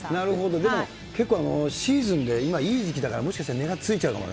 でも結構、シーズンで今、いい時期だからもしかしたら値がついちゃうかもね。